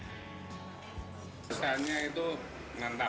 rasanya itu mantap